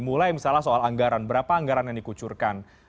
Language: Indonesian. mulai misalnya soal anggaran berapa anggaran yang dikucurkan